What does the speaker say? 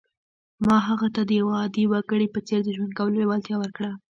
ما هغه ته د یوه عادي وګړي په څېر د ژوند کولو لېوالتیا ورکړه